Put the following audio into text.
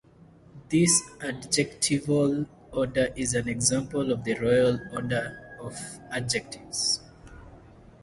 This adjectival order is an example of the "Royal Order of Adjectives".